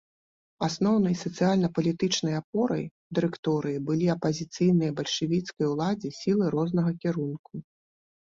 Асноўнай сацыяльна-палітычнай апорай дырэкторыі былі апазіцыйныя бальшавіцкай уладзе сілы рознага кірунку.